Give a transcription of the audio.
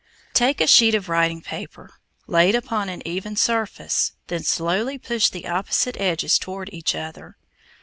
Take a sheet of writing paper, lay it upon an even surface, then slowly push the opposite edges toward each other.